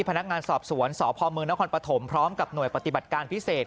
พนักงานสอบสวนสพมนครปฐมพร้อมกับหน่วยปฏิบัติการพิเศษ